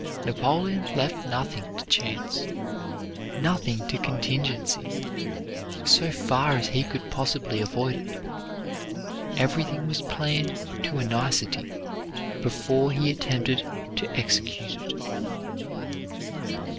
Napoleon left nothing to chance, nothing to contingency, so far as he could possibly avoid it. Everything was planned to a nicety before he attempted to execute it.